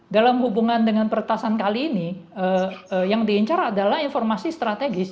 dalam hubungan dengan peretasan kali ini yang diincar adalah informasi strategis